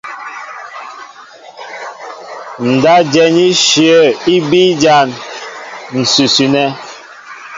Ndáp jɛ̌n íshyə̂ í bíí ján ǹsʉsʉ nɛ́.